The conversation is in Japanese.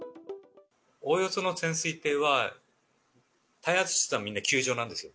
おおよその潜水艇は、耐圧室はみんな球状なんですよ。